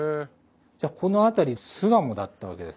じゃあこの辺り巣鴨だったわけですね。